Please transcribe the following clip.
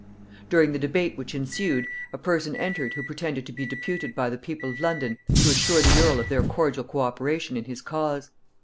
During the debate which ensued, a person entered who pretended to be deputed by the people of London to assure the earl of their cordial co operation in his cause.